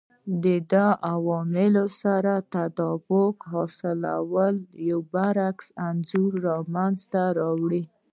دې عواملو سره تطابق حاصلولو یو برعکس انځور منځته راوړي